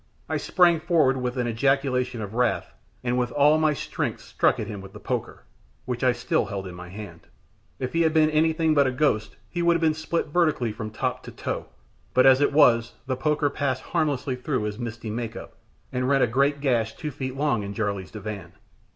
I sprang forward with an ejaculation of wrath, and with all my strength struck at him with the poker, which I still held in my hand. If he had been anything but a ghost, he would have been split vertically from top to toe; but as it was, the poker passed harmlessly through his misty make up, and rent a great gash two feet long in Jarley's divan.